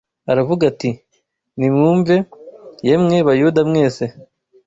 aravuga ati: “Nimwumve, yemwe Bayuda mwese